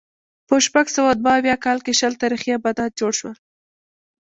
په شپږ سوه دوه اویا کال کې شل تاریخي آبدات جوړ شول